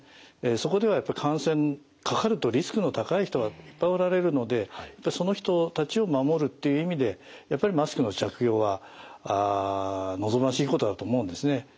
そこではやっぱりかかるとリスクの高い人がいっぱいおられるのでその人たちを守るっていう意味でやっぱりマスクの着用は望ましいことだと思うんですね。